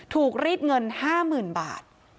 รีดเงิน๕๐๐๐บาท